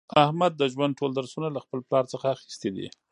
احمد د ژوند ټول درسونه له خپل پلار څخه اخیستي دي.